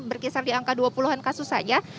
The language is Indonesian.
berkisar di angka dua puluh an kasus saja